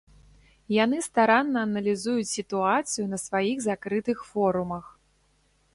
Яны старанна аналізуюць сітуацыю на сваіх закрытых форумах.